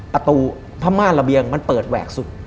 ประตูพม่านระเบียงมันเปิดแหวกสุด